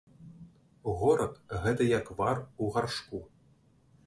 Горад, гэта як вар у гаршку.